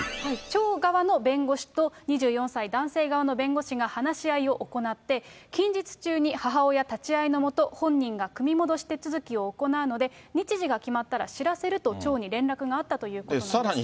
町側の弁護士と、２４歳男性側の弁護士が話し合いを行って、近日中に母親立ち会いの下、本人が組み戻し手続きを行うので、日時が決まったら知らせると町に連絡があったということなんです。